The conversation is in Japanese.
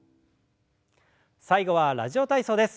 最後は「ラジオ体操」です。